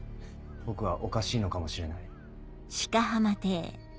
僕はおかしいのかもしれない。